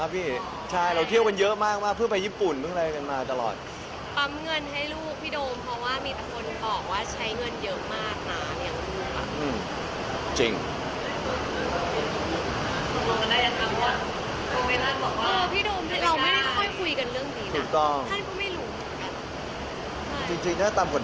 คือด้วยคคามที่บ้านหนูก็เป็นบ้านสายนักดนตรีด้วย